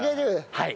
はい。